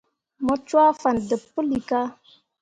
Mu cwaa fan deb puilika.